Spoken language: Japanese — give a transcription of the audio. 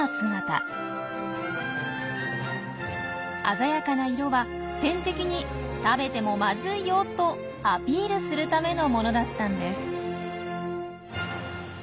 鮮やかな色は天敵に「食べてもまずいよ！」とアピールするためのものだったんです。